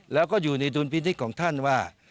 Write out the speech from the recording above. แล้วก็อยู่ในดุลพินิษฐ์ของท่านว่า